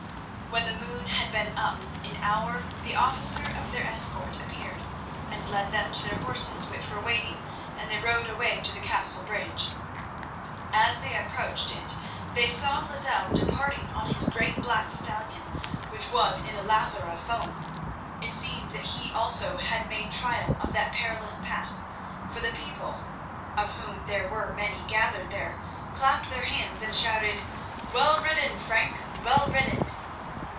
When the moon had been up an hour the officer of their escort appeared, and led them to their horses, which were waiting, and they rode away to the castle bridge. As they approached it they saw Lozelle departing on his great black stallion, which was in a lather of foam. It seemed that he also had made trial of that perilous path, for the people, of whom there were many gathered there, clapped their hands and shouted, "Well ridden, Frank! well ridden!"